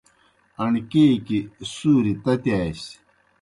اݨکیکیْ سُوریئے تتِیاسیْ۔